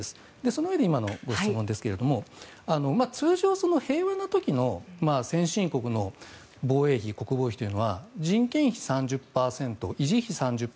そのうえで今の質問ですが通常、平和な時の先進国の防衛費、国防費というのは人件費３０％維持費３０％